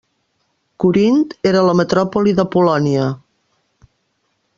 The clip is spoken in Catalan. Corint era la metròpoli d'Apol·lònia.